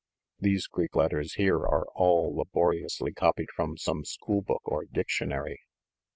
These Greek letters here are all laboriously copied from some school book or diction ary."